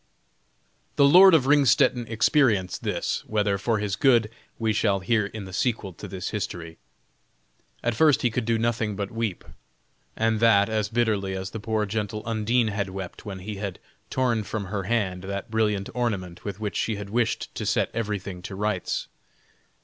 The lord of Ringstetten experienced this whether for his good, we shall hear in the sequel to this history. At first he could do nothing but weep, and that as bitterly as the poor gentle Undine had wept when he had torn from her hand that brilliant ornament with which she had wished to set everything to rights.